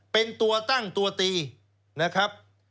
เป็นตัวตั้งตัวตีนะครับ